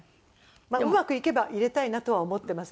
まあうまくいけば入れたいなとは思ってます。